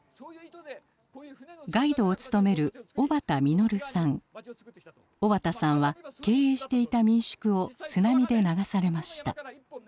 ガイドを務める小幡さんは経営していた民宿を津波で流されました。